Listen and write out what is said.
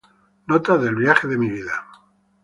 Notas del viaje de mi vida".